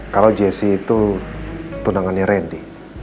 kalau jessy itu tunangannya rendy